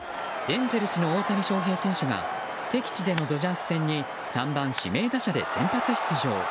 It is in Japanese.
エンゼルスの大谷翔平選手が敵地でのドジャース戦に３番指名打者で先発出場。